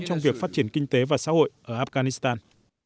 trong việc phát triển kinh tế và xã hội ở afghanistan